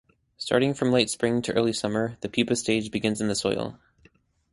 Starting from late spring to early summer the pupa stage begins in the soil.